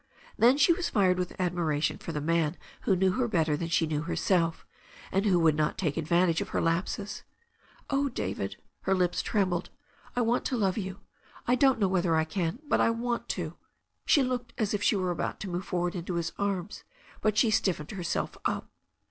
Then she was fired with admiration for the man who knew her better than she knew herself, and who would not take advantage of her lapses. "Oh, David," her lips trembled, "I want to love you. I don't know whether I can — ^but I want to—" She looked as if she were about to move forward into his arms, but she stiffened herself up.